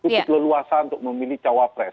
itu keleluasan untuk memilih cawa pres